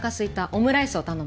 オムライスを頼む。